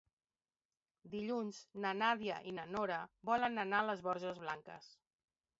Dilluns na Nàdia i na Nora volen anar a les Borges Blanques.